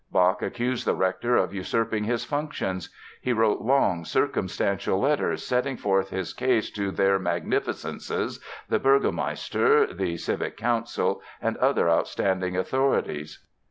Bach accused the rector of usurping his functions. He wrote long, circumstantial letters setting forth his case to "their Magnificences," the Burgomaster, the civic council, and other outstanding authorities.